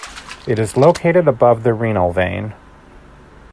It is located above the renal vein.